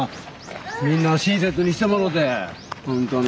みんな親切にしてもろてほんとに。